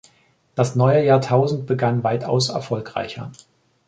Das neue Jahrtausend begann weitaus erfolgreicher.